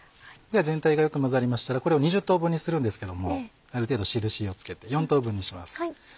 全体がよく混ざりましたらこれを２０等分にするんですけどもある程度印を付けて４等分にします。